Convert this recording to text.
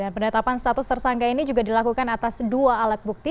penetapan status tersangka ini juga dilakukan atas dua alat bukti